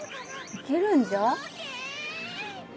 いけるんじゃ？